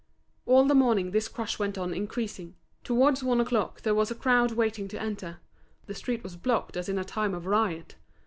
All the morning this crush went on increasing. Towards one o'clock there was a crowd waiting to enter; the street was blocked as in a time of riot.